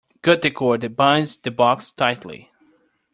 Cut the cord that binds the box tightly.